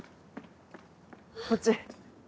こっち